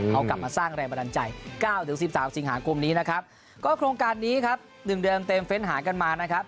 เขากลับมาสร้างแรงบันดาลใจเก้าถึงสิบสามสิงหาคมนี้นะครับก็โครงการนี้ครับ๑เดือนเต็มเฟ้นหากันมานะครับ